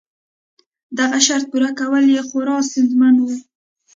دغه شرط پوره کول یې خورا ستونزمن و.